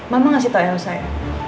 mama ngasih tau elsa ya